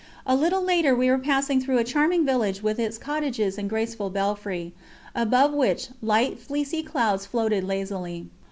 A little later we were passing through a charming village with its cottages and graceful belfry, above which light fleecy clouds floated lazily.